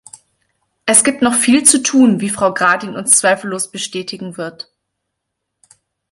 Es gibt noch viel zu tun, wie Frau Gradin uns zweifellos bestätigen wird.